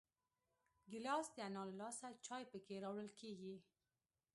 ګیلاس د انا له لاسه چای پکې راوړل کېږي.